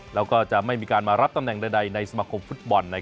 แล้วก็จะไม่มีการมารับตำแหน่งใดในสมาคมฟุตบอล